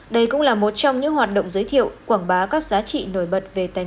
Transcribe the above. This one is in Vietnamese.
đây cũng là một trong những hoạt động giới thiệu quảng bá các giá trị nổi bật về tài nguyên